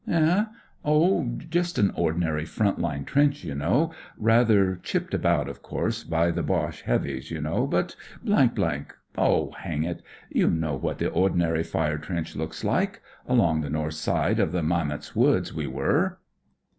" Eh ? Oh, just an ordinary front line WHAT IT'S LIKE IN THE PUSH 5 trenchj you know; rather chipped about, of course, by the Boche heavies, you know ; but Oh, hang it, you know what the ordinary fire trench looks like ; along the north side of the Mamctz Wood we were.